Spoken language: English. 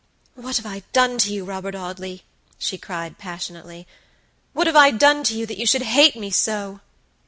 "What have I done to you, Robert Audley," she cried, passionately"what have I done to you that you should hate me so?"